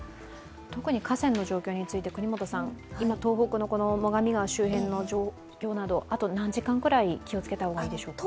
特に河川の状況について國本さん、今、東北の最上川周辺の状況などあと何時間ぐらい、気をつけた方がいいでしょうか？